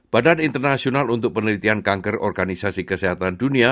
badan internasional untuk penelitian kanker organisasi kesehatan dunia